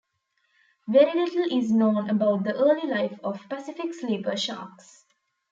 Very little is known about the early life of Pacific sleeper sharks.